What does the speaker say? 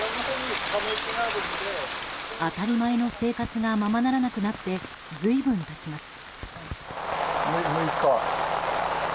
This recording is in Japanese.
当たり前の生活がままならなくなって随分経ちます。